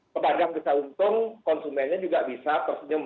sepanjang bisa untung konsumennya juga bisa tersenyum